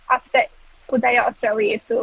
aspek budaya australia itu